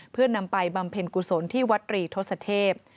เพื่อนำไปบำเพ็ญกุศลที่วัดตรีทศเทพ